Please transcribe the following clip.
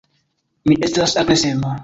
Mi estas agresema.